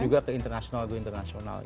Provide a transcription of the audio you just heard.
juga ke internasional ke internasional